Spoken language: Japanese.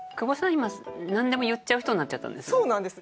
今なんでも言っちゃう人になっちゃったんですよね。